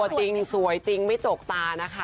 จริงสวยจริงไม่จกตานะคะ